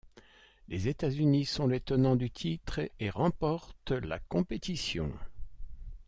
Les États-Unis sont les tenants du titre et remportent la compétition.